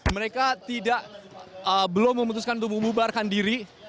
mereka belum memutuskan untuk membubarkan diri